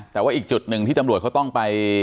แต่ว่าอีกจุดหนึ่งที่ตำรวจเขาต้องไป